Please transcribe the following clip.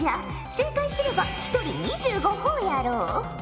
正解すれば１人２５ほぉやろう。